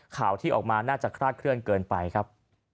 ข่าวที่ออกมาน่าจะคลาดเคลื่อนเกินไปครับ